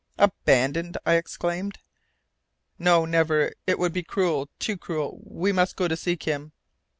"Abandoned!" I exclaimed. "No, never! It would be cruel too cruel. We must go to seek him."